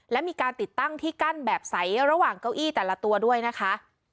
และมีการติดตั้งที่กั้นแบบใสระหว่างเก้าอี้แต่ละตัวด้วยนะคะ